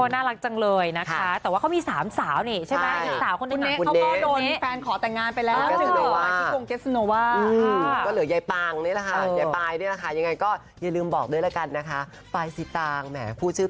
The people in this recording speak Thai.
น่ารักจังเลยนะคะแต่ว่าเขามี๓สาวนี่ใช่ไหม